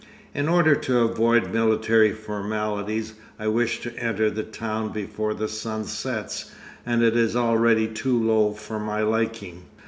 In order to avoid military formalities I wish to enter the town before the sun sets, and it is already too low for my liking.